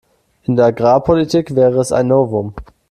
In der Agrarpolitik wäre es ein Novum.